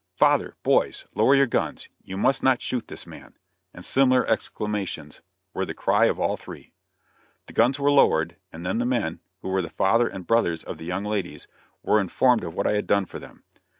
"Father! Boys! Lower your guns! You must not shoot this man," and similar exclamations, were the cry of all three. The guns were lowered, and then the men, who were the father and brothers of the young ladies, were informed of what I had done for them.